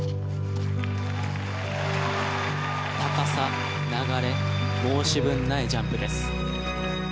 高さ、流れ申し分ないジャンプです。